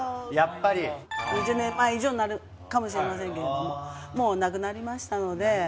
２０年前以上になるかもしれませんけれどももうなくなりましたので。